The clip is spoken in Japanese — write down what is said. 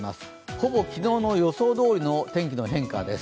ほぼ昨日の予想どおりの天気の変化です。